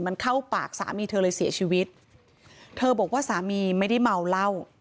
มันเข้าปากสามีเธอเลยเสียชีวิตเธอบอกว่าสามีไม่ได้เมาเหล้า